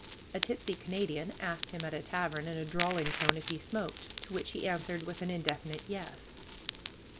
A tipsy Canadian asked him at a tavern, in a drawling tone, if he smoked, to which he answered with an indefinite "Yes."